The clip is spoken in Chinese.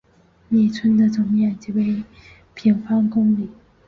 米村的总面积为平方公里。